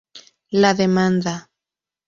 La demanda.